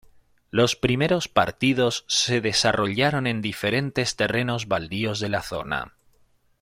Los primeros partidos se desarrollaron en diferentes terrenos baldíos de la zona.